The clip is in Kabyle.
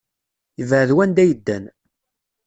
Yebɛed wanda ay ddan.